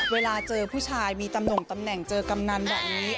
เวลาเจอผู้ชายมีตำแหน่งเจอกำนันแบบนี้